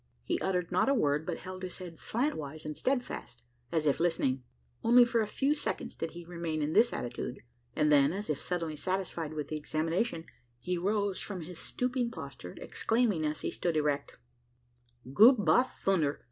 He uttered not a word, but held his head slantwise and steadfast, as if listening. Only for a few seconds did he remain in this attitude; and then, as if suddenly satisfied with the examination, he rose from his stooping posture, exclaiming as he stood erect: "Good, by thunder!